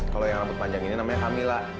kalau yang rambut panjang ini namanya hamilla